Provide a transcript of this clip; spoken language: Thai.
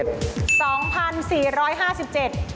ใช่ครับ